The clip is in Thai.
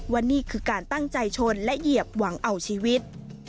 ว่านี่คือการตั้งใจชนและเหยียบหวังเอาชีวิต